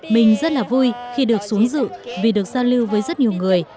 mình rất là vui khi được xuống dự vì được giao lưu với rất nhiều người